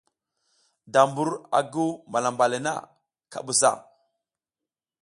Da mbur a guw malamba le na, ka busa.